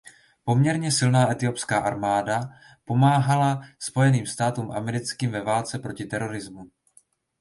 Poměrně silná etiopská armáda pomáhala Spojeným státům americkým ve válce proti terorismu.